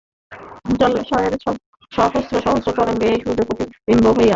জলাশয়ের সহস্র সহস্র তরঙ্গে একই সূর্য প্রতিবিম্বিত হইয়া সহস্র সহস্র ক্ষুদ্র সূর্যের সৃষ্টি করে।